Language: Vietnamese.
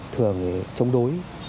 thường chống đối